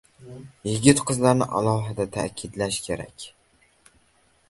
Yigit-qizlarni alohida taʼkidlash kerak